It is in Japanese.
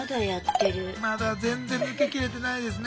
まだ全然抜け切れてないですね。